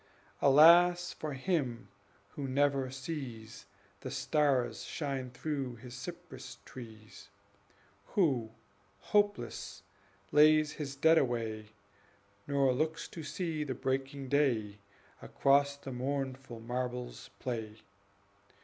Alas for him who never sees The stars shine through his cypress trees Who, hopeless, lays his dead away, Nor looks to see the breaking day Across the mournful marbles play!